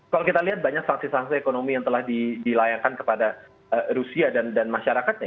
kalau kita lihat banyak sanksi sanksi ekonomi yang telah dilayangkan kepada rusia dan masyarakatnya